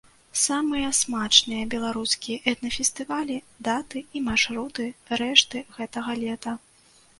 Самыя смачныя беларускія этна-фестывалі, даты і маршруты рэшты гэтага лета.